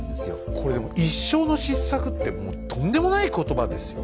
これでも一生の失策ってもうとんでもない言葉ですよ。